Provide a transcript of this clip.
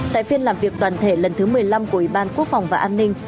tại phiên làm việc toàn thể lần thứ một mươi năm của ủy ban quốc phòng và an ninh